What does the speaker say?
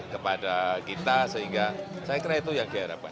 kepada kita sehingga saya kira itu yang diharapkan